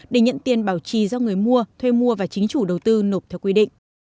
để nhận tiền bảo trì do người mua thuê mua và chính chủ đầu tư nộp theo quy định